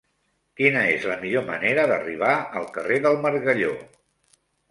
Quina és la millor manera d'arribar al carrer del Margalló?